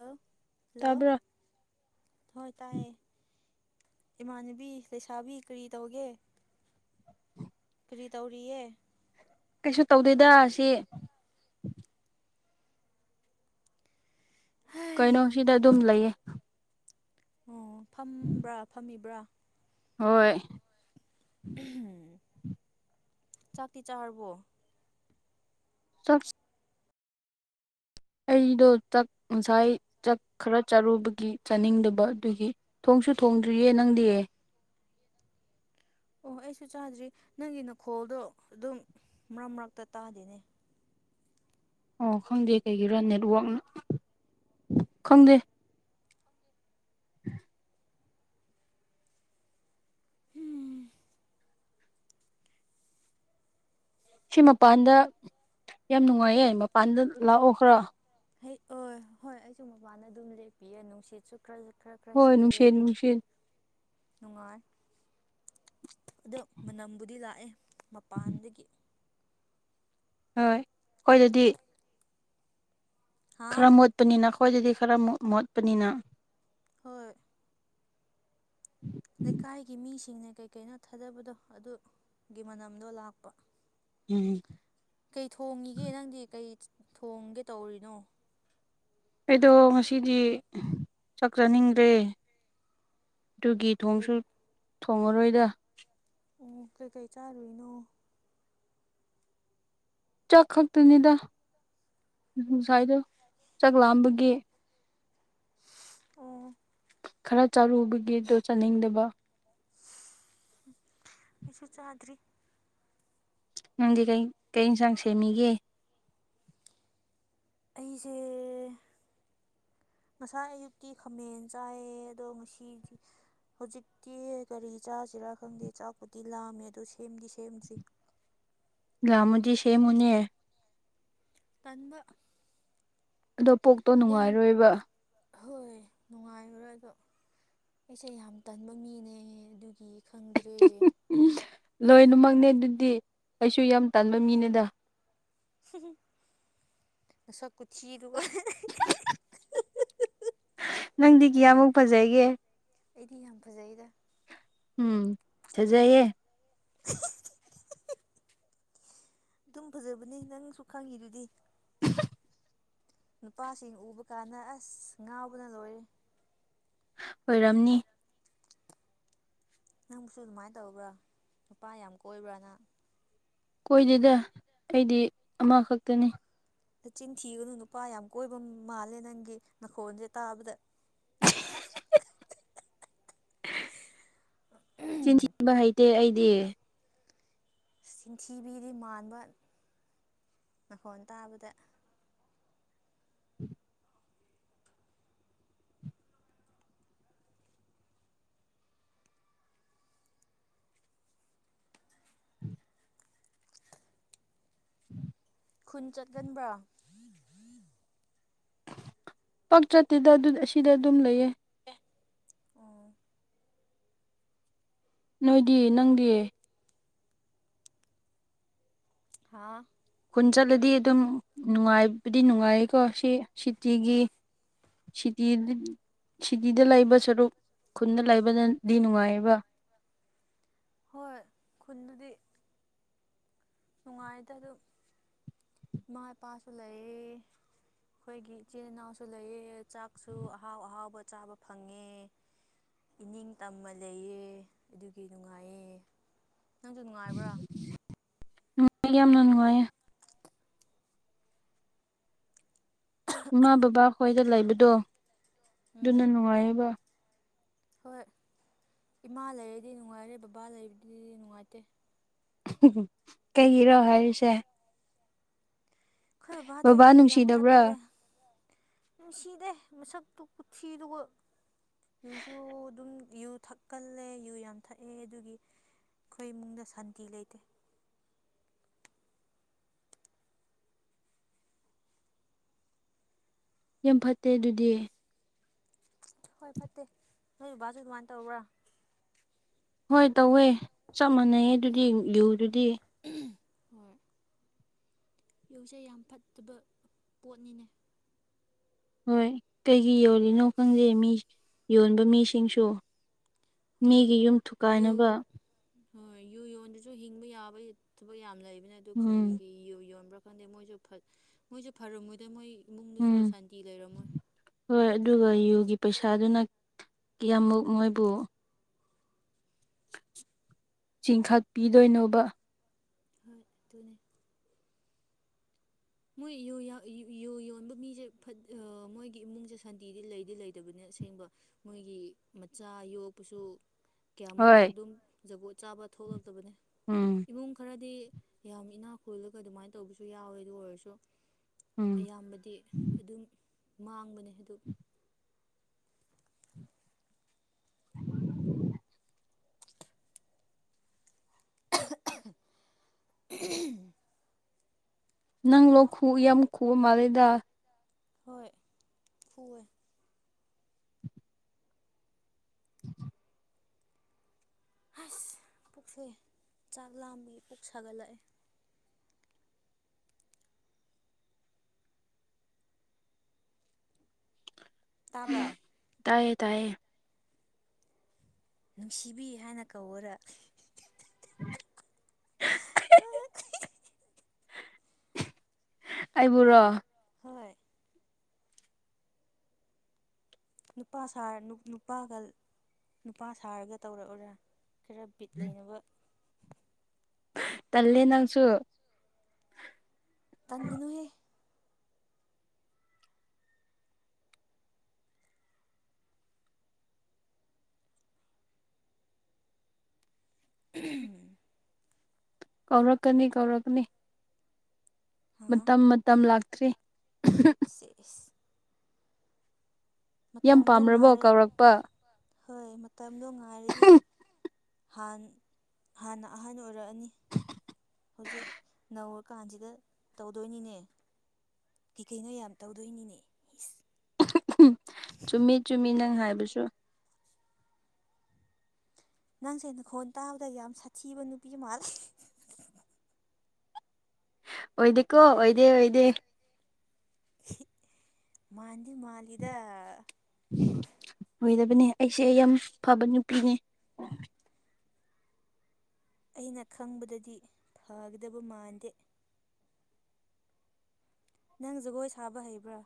ꯍꯂ ꯇꯥꯕ꯭ꯔ ꯍꯣꯏ ꯇꯥꯏ ꯏꯃꯥꯟꯅꯕꯤ ꯂꯩꯁꯥꯕꯤ ꯀꯔꯤ ꯇꯧꯒꯦ ꯀ꯭ꯔꯤ ꯇꯧꯔꯤꯑ ꯀꯩꯁꯨ ꯇꯧꯗꯣꯏꯗ ꯁꯤ ꯍꯩ ꯀꯩꯅꯣ ꯁꯤꯗ ꯑꯗꯨꯝ ꯂꯩꯌꯦ ꯑꯣ ꯐꯝꯕ꯭ꯔꯥ ꯐꯝꯃꯤꯕ꯭ꯔꯥ ꯍꯣꯏ ꯆꯥꯛꯇ ꯆꯥꯔꯕꯣ ꯆ ꯑꯩꯗꯣ ꯆꯥꯛ ꯉꯁꯥꯏ ꯆꯥꯛ ꯈꯔ ꯆꯥꯔꯨꯕꯒꯤ ꯆꯥꯅꯤꯡꯗꯕ ꯑꯗꯨꯒꯤꯣꯡ ꯅꯪꯁꯨ ꯊꯣꯡꯗ꯭ꯔꯤꯌꯦ ꯅꯪꯗꯤꯌꯦ ꯑꯣ ꯑꯩꯁꯨ ꯆꯥꯗ꯭ꯔꯤ ꯅꯪꯒꯤ ꯅꯈꯣꯜꯗꯣ ꯑꯗꯨꯝ ꯃꯔꯛ ꯃꯔꯛꯇ ꯇꯥꯗꯦꯅꯦ ꯑꯣ ꯈꯪꯗꯦ ꯀꯩꯒꯤꯔꯥ ꯅꯦꯠꯋꯥꯛꯅ ꯈꯪꯗꯦ ꯎꯝ ꯁꯤ ꯃꯄꯥꯟꯗ ꯌꯥꯝ ꯅꯨꯡꯉꯥꯏꯌꯦꯦ ꯃꯄꯥꯟꯗ ꯂꯥꯛꯑꯣ ꯈꯔ ꯍ ꯑꯣ ꯍꯣꯏ ꯑꯩꯁꯨ ꯃꯄꯅ ꯑꯗꯨꯝ ꯂꯦꯛꯄꯤꯌꯦ ꯅꯨꯡꯁꯤꯠꯁꯨ ꯈꯔ ꯈꯔ ꯈꯔ ꯍꯣꯏ ꯁꯤꯠꯂꯦ ꯅꯨꯡꯁꯤꯠ ꯅꯨꯡꯁꯤꯠ ꯅꯨꯡꯉꯥꯏ ꯑꯗꯣ ꯃꯅꯝꯕꯨꯗꯤ ꯂꯥꯛꯑꯦ ꯃꯄꯥꯟꯗꯒꯤ ꯍꯣꯏ ꯑꯩꯈꯣꯏ ꯑꯗꯨꯗꯤ ꯍꯥ ꯈꯔ ꯃꯣꯠꯄꯅꯤꯅ ꯑꯩꯈꯣꯏꯗꯗꯤ ꯈꯔ ꯃꯣꯠꯄꯅꯤꯅ ꯍꯣꯏ ꯂꯩꯀꯥꯏꯒꯤ ꯃꯤꯁꯤꯡꯅ ꯀꯩꯀꯩꯅ ꯊꯥꯗꯕꯗꯣ ꯑꯗꯨꯒꯤ ꯃꯅꯝꯗꯣ ꯂꯥꯛꯄ ꯎꯝ ꯀꯩ ꯊꯣꯡꯉꯤꯒꯦ ꯅꯪꯗꯤ ꯀꯩ ꯊꯣꯡꯒꯦ ꯇꯧꯔꯤꯅꯣ ꯑꯩꯗꯣ ꯉꯁꯤꯗꯤ ꯆꯥꯛ ꯆꯅꯤꯡꯗ꯭ꯔꯦ ꯑꯗꯨꯒꯤ ꯀꯩ ꯊꯣꯡꯁꯨ ꯊꯣꯉꯔꯣꯏꯗ ꯑꯣ ꯀꯩꯀꯩ ꯆꯥꯔꯨꯏꯅꯣ ꯆꯥꯛ ꯈꯛꯇꯅꯤꯗ ꯉꯁꯥꯏꯗꯣ ꯆꯥꯛ ꯂꯥꯝꯕꯒꯤ ꯑꯣ ꯈꯔ ꯆꯥꯔꯨꯕꯒꯤꯗꯣ ꯆꯥꯅꯤꯡꯗꯕ ꯃꯁꯨ ꯆꯥꯗ꯭ꯔꯤ ꯅꯪꯗꯤ ꯀꯩ ꯏꯟꯁꯥꯡ ꯁꯦꯝꯃꯤꯒꯦ ꯑꯩꯁꯦ ꯉꯁꯥꯏ ꯑꯌꯨꯛꯀꯤ ꯈꯥꯃꯦꯟ ꯆꯥꯏꯌꯦ ꯑꯗꯣ ꯉꯁꯤꯗꯤ ꯍꯧꯖꯤꯛꯇꯤ ꯀꯔꯤ ꯆꯥꯁꯤꯔꯥ ꯈꯪꯗꯦ ꯆꯥꯛꯄꯨꯗꯤ ꯂꯥꯝꯃꯦ ꯑꯗꯨ ꯁꯦꯝꯗꯤ ꯁꯦꯝꯗ꯭ [inaudible] ꯂꯃꯨꯖꯤ ꯁꯦꯃꯅꯦꯌꯦ ꯇꯗ ꯑꯗꯣ ꯄꯣꯛꯇꯣ ꯅꯨꯡꯉꯥꯏꯔꯣꯏꯕ ꯍꯍꯣꯏ ꯅꯨꯡꯉꯥꯏꯕ꯭ꯔꯥ ꯑꯗꯣ ꯑꯩꯁꯦ ꯌꯥꯝ ꯇꯟꯕ ꯃꯤꯅꯦ ꯑꯗꯨꯒꯤ ꯈꯪꯗ꯭ꯔꯦ ꯂꯣꯏꯅꯃꯛꯅꯦ ꯑꯗꯨꯗꯤ ꯑꯩꯁꯨ ꯌꯥꯝ ꯇꯥꯟꯕ ꯃꯤꯅꯦꯗ ꯑꯁ ꯀꯆ [inaudible] ꯅꯪꯗꯤ ꯀꯤꯌꯥꯃꯨꯛ ꯐꯖꯒꯦ ꯑꯩꯗꯤ ꯌꯥꯝ ꯐꯖꯩꯗ ꯎꯝ ꯆꯖꯌꯦꯦ [inaudible] ꯑꯗꯨꯝ ꯐꯖꯕꯅꯦ ꯅꯪꯁꯨ ꯈꯪꯉꯤꯗꯨꯗꯤ [inaudible] ꯅꯨꯄꯥꯁꯤꯡ ꯎꯕ ꯀꯥꯟꯗ ꯑꯁ ꯉꯥꯎꯕꯅ ꯂꯣꯏꯔꯦ ꯑꯣꯏꯔꯝꯅꯤ ꯅꯪꯕꯨꯁꯨ ꯑꯗꯨꯃꯥꯏꯅ ꯇꯧꯕ꯭ꯔꯥ ꯅꯨꯄꯥ ꯌꯥꯝ ꯀꯣꯏꯕ꯭ꯔꯅ ꯀꯣꯏꯗꯦꯗ ꯑꯩꯗꯤ ꯑꯃꯈꯛꯇꯅꯤ ꯆꯤꯟ ꯊꯤꯒꯅꯨ ꯅꯨꯄꯥ ꯌꯥꯝ ꯀꯣꯏꯕ ꯃꯥꯜꯂꯦ ꯅꯪꯒꯤ ꯅꯥꯈꯣꯟꯁꯦ ꯇꯥꯕꯗ [inaudible] ꯆꯤꯟꯊꯤꯟꯕ ꯍꯩꯇꯦ ꯑꯩꯗꯤ ꯆꯤꯟꯊꯤꯕꯤꯗꯤ ꯃꯥꯟꯕ ꯅꯅꯥꯈꯣꯟ ꯇꯥꯕꯗ ꯈꯨꯟ ꯆꯠꯒꯟꯕ꯭ꯔꯥ ꯄꯇ꯭ꯔꯠꯇꯤꯗ ꯑꯁꯤꯗ ꯑꯗꯨꯝ ꯂꯩꯌꯦ ꯑꯣ ꯅꯣꯏꯗꯤ ꯅꯪꯗꯤ ꯍꯥꯥ ꯄꯨꯟ ꯆꯠꯂꯗꯤ ꯑꯗꯨꯝ ꯅꯨꯡꯉꯥꯏꯕꯗꯤ ꯅꯨꯡꯉꯥꯏꯀꯣ ꯁꯤ ꯁꯤꯇꯤꯒꯤ ꯁꯤꯇ ꯁꯤꯇꯤꯗ ꯂꯩꯕ ꯁꯔꯨꯛ ꯈꯨꯟꯗ ꯂꯩꯕꯅꯗꯤ ꯅꯨꯡꯉꯥꯏꯑꯕ ꯍꯣꯏ ꯈꯨꯟꯅꯗꯤ ꯅꯨꯡꯉꯥꯏꯗ ꯑꯗꯨ ꯏꯃꯥ ꯏꯄꯥꯁꯨ ꯂꯩꯌꯦ ꯑꯩꯈꯣꯏꯒꯤ ꯏꯆꯤꯜ ꯏꯅꯥꯎꯁꯨ ꯂꯩꯑ ꯆꯥꯛꯁꯨ ꯑꯍꯥꯎ ꯑꯍꯥꯎꯕ ꯆꯥꯕ ꯐꯪꯉꯦ ꯏꯅꯤꯡ ꯇꯝꯃ ꯂꯩꯑ ꯑꯗꯨꯒꯤ ꯅꯨꯡꯉꯥꯏꯌꯦ ꯅꯪꯁꯨ ꯅꯨꯡꯉꯥꯏꯕ꯭ꯔꯥ ꯑꯩꯒꯤ ꯌꯥꯝꯅ ꯅꯨꯡꯉꯥꯏꯦ ꯏꯃꯥ ꯕꯕꯥ ꯈꯣꯏꯗ ꯂꯩꯕꯗꯣ ꯑꯗꯨꯅ ꯎꯝ ꯅꯨꯡꯉꯥꯏꯌꯦꯕ ꯍꯣꯏ ꯏꯃꯥ ꯂꯩꯔꯗꯤ ꯅꯨꯡꯉꯥꯏꯔꯦ ꯕꯕꯥ ꯂꯩꯕꯗꯗꯤ ꯅꯨꯡꯉꯥꯏꯇꯦ ꯀꯩꯒꯤꯔꯣ ꯍꯥꯏꯔꯤꯁꯦ ꯑꯩꯈꯣꯏ ꯕꯕꯥꯗꯣ ꯕꯕꯥ ꯌꯨ ꯌꯥꯝ ꯅꯨꯡꯁꯤꯗꯕ꯭ꯔꯥ ꯊꯥꯒꯜꯂꯦ ꯅꯨꯡꯁꯤꯗꯦ ꯃꯁꯛꯇꯨ ꯀꯊꯗꯨ ꯨꯁꯨ ꯑꯗꯨꯝ ꯨ ꯊꯛꯀꯜꯂꯦ ꯨ ꯌꯥꯝ ꯊꯛꯑꯦ ꯑꯗꯨꯒꯤ ꯑꯩꯈꯣꯏ ꯏꯃꯨꯡꯗ ꯁꯥꯟꯇꯤ ꯂꯩꯇꯦ ꯌꯥꯝ ꯐꯠꯇꯦ ꯑꯗꯨꯗꯤ ꯍꯣꯏ ꯐꯠꯇꯦ ꯅꯣꯏ ꯕꯥꯁꯨ ꯑꯗꯨꯃꯥꯏꯅ ꯇꯧꯕ꯭ꯔꯥ ꯍꯣꯏ ꯇꯧꯋꯦ ꯆꯞ ꯃꯥꯟꯅꯩꯌꯦ ꯑꯗꯨꯗꯤ ꯨꯗꯨꯗꯤ ꯍ ꯌꯧꯁꯦ ꯌꯥꯝ ꯐꯠꯇꯕ ꯄꯣꯠꯅꯤꯅꯦ ꯍꯣꯏ ꯀꯩꯒꯤ ꯌꯣꯜꯂꯤꯅꯣ ꯈꯪꯗꯦ ꯃꯤ ꯌꯣꯟꯕ ꯃꯤꯁꯤꯡꯁꯨ ꯍꯣꯏ ꯃꯤꯒꯤ ꯌꯨꯝ ꯌꯨ ꯊꯨꯒꯥꯏꯅꯕ ꯍꯣꯏ ꯌꯨ ꯌꯣꯟꯗꯨꯁꯨ ꯍꯤꯡꯕ ꯌꯥꯕ ꯊꯕꯛ ꯌꯥꯝ ꯂꯩꯕꯅꯦ ꯑꯗꯨ ꯎꯝ ꯀꯔꯤꯒꯤ ꯌꯨ ꯌꯣꯟꯕ꯭ꯔꯥ ꯈꯣꯟꯗꯦ ꯃꯣꯏꯁꯨ ꯃꯣꯏꯁꯨ ꯐꯔꯝꯃꯣꯏꯗ ꯃꯣꯏ ꯏꯃꯨꯡꯗꯁꯨ ꯎꯝ ꯁꯥꯟꯇꯤ ꯂꯩꯔꯝꯃꯣꯏ ꯍꯣꯏ ꯑꯗꯨꯒꯒ ꯌꯨꯒꯤ ꯄꯩꯁꯥꯗꯨꯅ ꯀꯌꯥꯃꯨꯛ ꯃꯣꯏꯕꯨ ꯆꯤꯡꯈꯠꯄꯤꯗꯣꯏꯅꯣꯕ ꯍꯣꯏ ꯑꯗꯨ ꯑꯗꯨꯅꯦ ꯃꯣꯏ ꯌꯨ ꯌꯣꯟꯕ ꯃꯤꯁꯦ ꯃꯣꯏꯒꯤ ꯏꯃꯨꯡꯁꯦ ꯁꯥꯟꯇꯤꯗꯤ ꯂꯩꯗꯤ ꯂꯩꯇꯕꯅꯤ ꯑꯁꯦꯡꯕ ꯃꯣꯏꯒꯤ ꯃꯆꯥ ꯌꯣꯛꯄꯁꯨ ꯀꯌꯥꯃꯨꯛ ꯍꯣꯏ ꯑꯗꯨꯝ ꯖꯒꯣꯠ ꯆꯥꯕ ꯊꯣꯛꯂꯛꯇꯕꯅꯤ ꯎꯝ ꯏꯃꯨꯡ ꯈꯔꯗꯤ ꯌꯥꯝ ꯏꯅꯥꯛ ꯈꯨꯜꯂꯒ ꯑꯗꯨꯃꯥꯏꯅ ꯇꯧꯕꯁꯨ ꯌꯥꯎꯋꯦ ꯑꯗꯨ ꯑꯣꯏꯔꯁꯨ ꯎꯝ ꯑꯌꯥꯝꯕꯗꯤ ꯑꯗꯨꯝ ꯃꯥꯡꯕꯅꯦ ꯑꯗꯨ ꯎ ꯅꯪꯂ ꯂꯣ ꯈꯨ ꯌꯥꯝ ꯈꯨꯕ ꯃꯥꯜꯂꯦꯗ ꯍꯣꯏ ꯍꯋꯦ ꯑꯁ ꯄꯨꯛꯁꯦ ꯆꯥꯛ ꯂꯥꯝꯃꯤ ꯄꯨꯛ ꯁꯥꯒꯠꯂꯛꯑꯦ ꯇꯥꯕ꯭ꯔꯥ ꯇꯥꯏꯌꯦ ꯇꯥꯏꯌꯦ ꯅꯨꯡꯁꯤꯕꯤ ꯍꯥꯏꯅ ꯀꯧꯔ ꯑꯣ ꯑꯩꯕꯨꯣꯔꯣ ꯍꯣꯏ ꯅꯨꯄꯥ ꯅꯨꯄꯥꯒ ꯅꯨꯄꯥ ꯁꯥꯔꯒ ꯇꯧꯔꯛꯎꯔꯥ ꯈꯔ ꯕꯤꯠ ꯂꯩꯅꯕ ꯇꯜꯂꯦ ꯅꯪꯁꯨ ꯇꯟꯖꯅꯨꯍꯦ ꯎꯝ ꯀꯧꯔꯛꯀꯅꯤ ꯀꯧꯔꯛꯀꯅꯤ ꯃꯇꯝ ꯃꯇꯝ ꯂꯥꯛꯇ꯭ꯔꯤ ꯁꯤꯦꯁ ꯌꯥꯝ ꯃꯇꯝꯗꯣ ꯄꯥꯝꯔꯕꯣ ꯉꯥꯏꯔ ꯀꯧꯔꯛꯄ ꯍꯣꯏ ꯃꯇꯝꯗꯣ ꯉꯥꯏꯔꯗꯤ ꯥꯟ ꯍꯥꯟꯅ ꯑꯍꯟ ꯑꯣꯏꯔꯛꯑꯅꯤ ꯍꯧꯖꯤꯛ ꯅꯧꯔꯀꯥꯟꯁꯤꯗ ꯇꯧꯗꯣꯏꯅꯤꯅꯦ ꯀꯤ ꯀꯩꯅꯣ ꯌꯥꯝ ꯇꯧꯗꯣꯏꯅꯤꯅꯦ ꯏꯁ ꯆꯨꯝꯃꯤ ꯆꯨꯝꯃꯤ ꯅꯪ ꯍꯥꯏꯕꯁꯨ ꯅꯪꯁꯦ ꯅꯈꯣꯟ ꯇꯥꯕꯗ ꯌꯥꯝ ꯁꯥꯊꯤꯕ ꯅꯨꯄꯤ ꯃꯥꯜꯂꯦ ꯑꯣꯏꯗꯦꯀꯣ ꯑꯣꯏꯗꯦ ꯑꯣꯏꯗꯦ ꯃꯥꯥꯟꯗꯤ ꯃꯥꯜꯂꯤꯗ ꯑꯣꯏꯗꯕꯅꯦ ꯑꯩꯁꯦ ꯑꯩ ꯌꯥꯝ ꯐꯕ ꯅꯨꯄꯤꯅꯦ ꯑꯩꯅ ꯈꯪꯕꯗꯗꯤ ꯐꯒꯗꯕ ꯃꯥꯟꯗꯦ ꯅꯪ ꯖꯒꯣꯏ ꯁꯥꯕ ꯍꯩꯕ꯭ꯔꯥ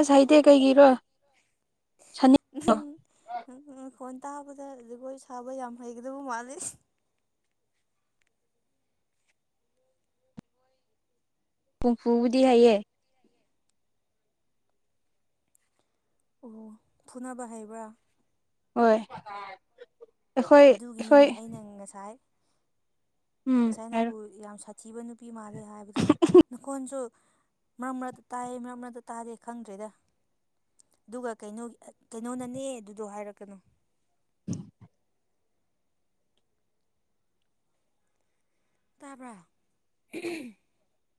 ꯑꯁ ꯍꯥꯏꯇꯦ ꯀꯩꯒꯤꯔꯣ ꯁꯅꯤ ꯎꯣꯟ ꯇꯥꯕꯗ ꯖꯒꯣꯏ ꯁꯥꯕ ꯌꯥꯝ ꯍꯩꯒꯗꯕ ꯃꯥꯜꯂꯤ ꯍꯨꯝꯐꯨꯕꯨꯗꯤ ꯍꯥꯏꯌꯦꯦ ꯑꯣ ꯐꯨꯅꯕ ꯍꯩꯕ꯭ꯔꯥ ꯍꯣꯏ ꯑꯩꯈꯣꯏ ꯑꯩꯈꯣꯏ ꯑꯗꯨꯒꯤꯅꯤꯅꯦ ꯑꯩꯅ ꯉꯁꯥꯏ ꯎꯝ ꯉꯁꯥꯏ ꯍꯥꯏꯔꯣ ꯅꯪꯕꯨ ꯌꯥꯝ ꯁꯥꯊꯤꯕ ꯅꯨꯄꯤ ꯃꯥꯜꯂꯦ ꯍꯥꯏꯕꯗꯣ ꯅꯈꯣꯟꯁꯨ ꯃꯔꯛ ꯃꯔꯛꯇ ꯇꯥꯏꯑ ꯃꯔꯛ ꯃꯔꯛꯇ ꯇꯥꯗꯦ ꯈꯪꯗ꯭ꯔꯦꯗ ꯑꯗꯨꯒ ꯀꯩꯅꯣꯅꯅꯦ ꯑꯗꯨꯗꯣ ꯍꯥꯏꯔꯛꯀꯅꯨ [inaudible] ꯇꯥꯕ꯭ꯔ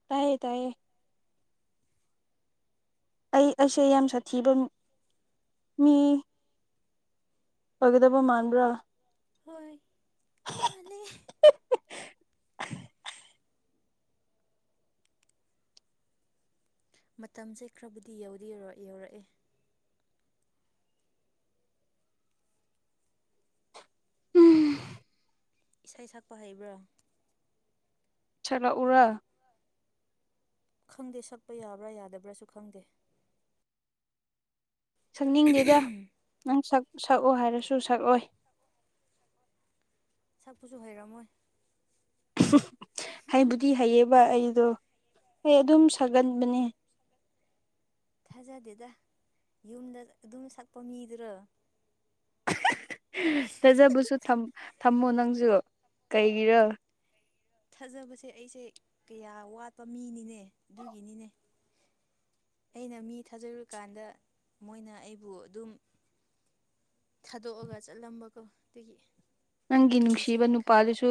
ꯇꯥꯏꯌꯦ ꯇꯥꯏꯌꯦ ꯑꯩ ꯑꯩꯁꯦ ꯌꯥꯝ ꯁꯥꯊꯤꯕ ꯃꯤ ꯄꯒꯤꯗꯕ ꯃꯥꯟꯕ꯭ꯔꯥ ꯍꯣꯏ ꯃꯥꯂꯦ ꯃꯇꯝꯁꯦ ꯈꯔꯕꯨꯗꯤ ꯌꯧꯗꯤ ꯌꯧꯔꯛꯑꯦ ꯎꯝ ꯏꯁꯩ ꯁꯛꯄ ꯍꯩꯕ꯭ꯔꯥ ꯆꯂ ꯎꯔꯥ ꯈꯪꯗꯦ ꯁꯛꯄ ꯌꯥꯕ꯭ꯔꯥ ꯌꯥꯗꯕ꯭ꯔꯥꯁꯨ ꯈꯪꯗꯦ ꯁꯛꯅꯤꯡꯗꯦꯗ ꯅꯪ ꯁꯛꯑꯣ ꯍꯥꯏꯔꯁꯨ ꯁꯛꯑꯣꯏ ꯁꯛꯄꯨꯁꯨ ꯍꯩꯔꯝꯃꯣꯏ ꯍꯥꯏꯕꯨꯗꯤ ꯍꯩꯌꯦꯕ ꯑꯩ ꯑꯗꯣ ꯍ ꯑꯗꯨꯝ ꯁꯥꯒꯟꯕꯅꯦ ꯊꯥꯖꯗꯦꯗ ꯌꯨꯝꯗ ꯑꯗꯨꯝ ꯁꯛꯄ ꯃꯤꯗꯨꯔꯣ ꯐꯖꯕꯁꯨ ꯊꯝꯃꯣ ꯅꯪꯁꯨ ꯀꯩꯒꯤꯔ ꯊꯥꯖꯕꯁꯦ ꯑꯩꯁꯦ ꯀꯌꯥ ꯋꯥꯠꯄ ꯃꯤꯅꯤꯅꯦ ꯑꯗꯨꯒꯤꯅꯤꯅꯦ ꯑꯩꯅ ꯃꯤ ꯊꯥꯖꯔꯨꯀꯥꯟꯗ ꯃꯣꯏꯅ ꯑꯩꯕꯨ ꯑꯗꯨꯝ ꯊꯥꯗꯣꯛꯑꯒ ꯆꯠꯂꯝꯕꯀꯣ ꯑꯗꯒꯤ ꯅꯪꯒꯤ ꯅꯨꯡꯁꯤꯕ ꯅꯨꯄꯥꯗꯨꯁꯨ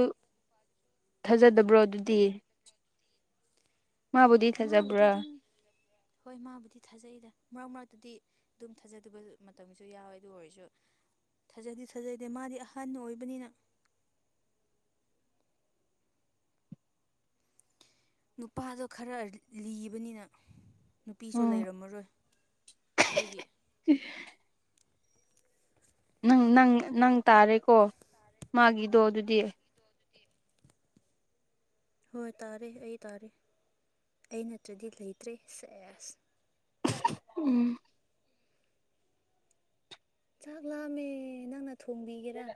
ꯊꯥꯖꯗꯕ꯭ꯔꯣ ꯑꯗꯨꯗꯤ ꯃꯥꯕꯨꯗꯤ ꯃꯥꯕꯨꯗꯤ ꯊꯥꯖꯕ꯭ꯔꯥ ꯑꯗꯨꯝ ꯍꯣꯏ ꯃꯥꯕꯨꯗꯤ ꯊꯥꯖꯩꯗ ꯃꯔꯛ ꯃꯔꯛꯇꯨꯗꯤ ꯑꯗꯨꯝ ꯊꯥꯖꯗꯕ ꯃꯇꯝꯁꯨ ꯌꯥꯎꯋꯦ ꯑꯗꯨ ꯑꯣꯏꯔꯁꯨ ꯊꯥꯖꯗꯤ ꯊꯥꯖꯗꯦ ꯃꯥꯗꯤ ꯑꯍꯟ ꯑꯣꯏꯕꯅꯤꯅ ꯅꯨꯄꯥꯗꯣ ꯈꯔ ꯂꯤꯕꯅꯤꯅ ꯅꯨꯄꯤꯁꯨ ꯎꯝ ꯂꯩꯔꯝꯃꯔꯣꯏ ꯑꯗꯨꯒꯤ ꯑꯦ ꯅꯪ ꯅꯪ ꯅꯪ ꯇꯥꯔꯦꯀꯣ ꯃꯥꯒꯤꯗꯣ ꯑꯗꯨꯗꯤ ꯍꯣꯏ ꯇꯥꯔꯦ ꯑꯩ ꯇꯥꯔꯦ ꯑꯩ ꯅꯠꯇ꯭ꯔꯗꯤ ꯂꯩꯇ꯭ꯔꯦ ꯁꯦꯁ ꯎꯝ ꯆꯥꯛ ꯂꯥꯑꯝꯃꯦ ꯅꯪꯅ ꯊꯣꯡꯕꯤꯒꯦꯔꯥ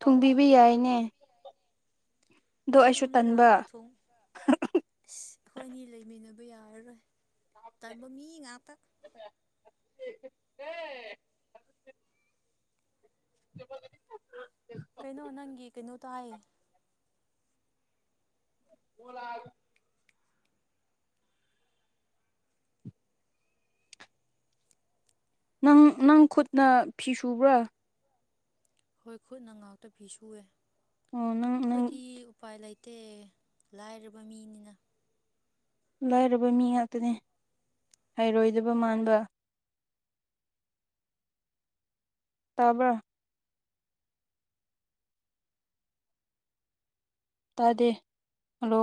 ꯊꯨꯡꯕꯤꯕ ꯌꯥꯏꯅꯦ ꯑꯗꯣ ꯑꯩꯣꯏ ꯑꯩꯁꯨ ꯌꯨꯝꯗ ꯇꯟꯕ ꯂꯥꯛꯑꯒ ꯊꯣꯡ ꯑꯁ ꯍꯈꯣꯏꯅꯤ ꯂꯩꯃꯤꯟꯅꯕ ꯑꯗꯨ ꯌꯥꯔꯔꯣꯏ ꯇꯕ ꯃꯤ ꯉꯥꯛꯇ ꯎꯝ [inaudible] ꯀꯩꯅꯣ ꯅꯪꯒꯤ ꯀꯩꯅꯣ ꯇꯥꯏ ꯍ ꯂ ꯅꯪ ꯅꯪ ꯈꯨꯠꯅ ꯐꯤ ꯁꯨꯕ꯭ꯔꯥ ꯍꯣꯏ ꯈꯨꯠꯅ ꯉꯥꯛꯇ ꯐꯤ ꯁꯨꯑꯦ ꯑꯣ ꯅꯪ ꯅꯪ ꯑꯩꯈꯣꯏꯗꯤ ꯎꯄꯥꯏ ꯂꯩꯇꯦ ꯠꯇ ꯂꯥꯏꯔꯕ ꯃꯤꯅꯤꯅ ꯂꯥꯏꯔꯕ ꯃꯤ ꯉꯥꯛꯇꯅꯦ ꯍꯥꯏꯩꯔꯣꯏꯗꯕ ꯃꯥꯟꯕ ꯇꯥꯕ ꯇꯥꯗꯦ ꯍꯜꯂꯣ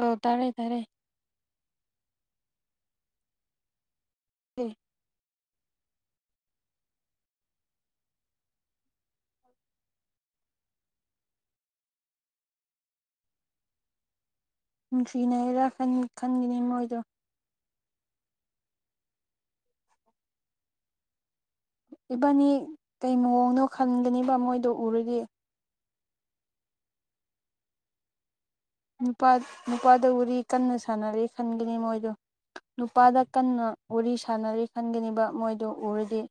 ꯑꯣ ꯇꯥꯔꯦ ꯇꯥꯔꯦ ꯎꯝ ꯅꯨꯡꯁꯤꯅꯩꯔꯥ ꯈꯟꯈꯤꯅꯤ ꯃꯣꯏꯗꯣ ꯏꯕꯥꯅꯤ ꯀꯩ ꯃꯑꯣꯡꯅꯣ ꯈꯟꯒꯅꯤꯕ ꯃꯣꯏꯗꯣ ꯎꯔꯗꯤ ꯅꯨꯄꯥ ꯅꯨꯄꯥꯗ ꯎꯔꯤ ꯀꯟꯅ ꯁꯥꯟꯅꯔꯤ ꯈꯟꯒꯅꯤ ꯃꯣꯏꯗꯣ ꯅꯨꯄꯥꯗ ꯀꯟꯅ ꯋꯥꯔꯤ ꯁꯥꯟꯅꯔꯤ ꯈꯟꯒꯅꯤꯕ ꯃꯣꯏꯗꯨ ꯎꯔꯗꯤꯦ